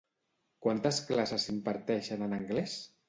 Quantes classes s'imparteixen en anglès?